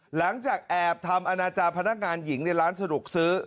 หลังจากแอบทำอนาจารย์พนักงานหญิงในร้านสะดวกซื้อ